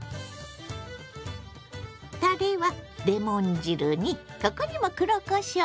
たれはレモン汁にここにも黒こしょう！